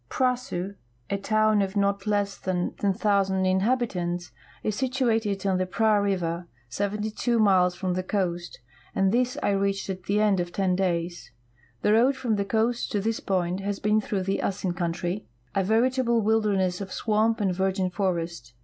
Prahsu, a town of not less THE GOLD COAST, ASHANTI, AND KUMASSl <> than 10,000 inhal)itants, is situated on the Prab riven*, 72 miles from the coast, and this I reached at the end of ten days. 'J'lie road frt)ni the coast to this point has been through the Assin country, a veritable wilderness of swamp and virgin forest, th